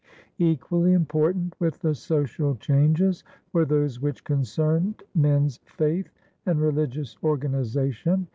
Equally important with the social changes were those which concerned men's faith and religious organization.